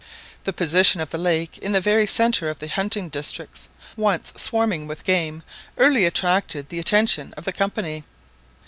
The position of the lake in the very centre of the hunting districts. once swarming with game, early attracted the attention of the Company.